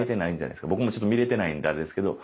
僕もちょっと見れてないんであれですけど。